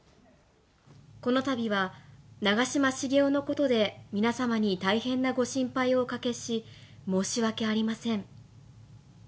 このたびは長嶋茂雄のことで、皆様に大変なご心配をおかけし、申し訳ありません。